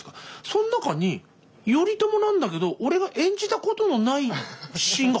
その中に頼朝なんだけど俺が演じたことのないシーンが貼られてたの。